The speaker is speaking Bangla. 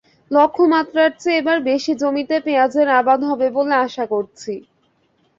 লক্ষ্যমাত্রার চেয়ে এবার বেশি জমিতে পেঁয়াজের আবাদ হবে বলে আশা করছি।